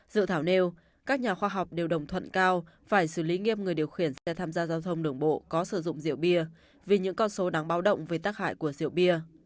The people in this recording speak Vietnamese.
dự thảo nêu các nhà khoa học đều đồng thuận cao phải xử lý nghiêm người điều khiển xe tham gia giao thông đường bộ có sử dụng rượu bia vì những con số đáng báo động về tác hại của rượu bia